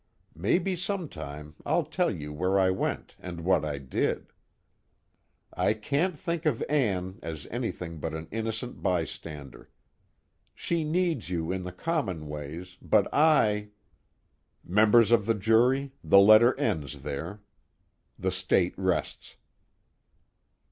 Maybe some time I'll tell you where I went and what I did. "I can't think of Ann as anything but an innocent bystander. She needs you in the common ways, but I " Members of the jury, the letter ends there. The State rests.